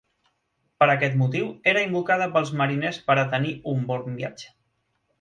Per aquest motiu era invocada pels mariners per a tenir un bon viatge.